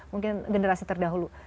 mungkin generasi terdahulu